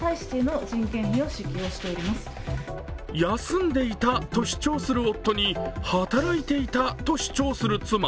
休んでいたと主張する夫に、働いていたと主張する妻。